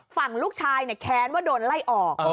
ฝั่งลูกชายแค้นว่าโดนไล่ออก